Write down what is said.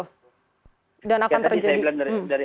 kalau itu terjadi nggak ya prof